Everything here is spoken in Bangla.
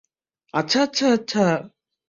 আচ্ছা, আচ্ছা, আচ্ছা!